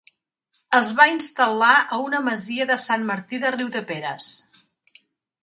Es va instal·lar a una masia de Sant Martí de Riudeperes.